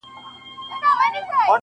o درد له کلي نه نه ځي,